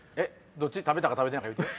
食べたか食べてないか言うて。